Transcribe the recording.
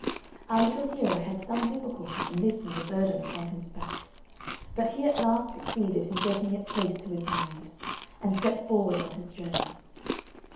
Our little hero had some difficulty in lifting the burden upon his back; but he at last succeeded in getting it placed to his mind, and set forward on his journey.